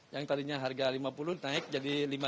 yang tadinya harga rp lima puluh naik jadi lima puluh